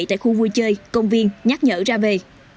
tại khu vui chơi công viên nhắc nhở ra về